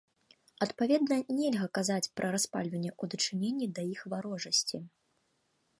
Адпаведна, нельга казаць пра распальванне ў дачыненні да іх варожасці.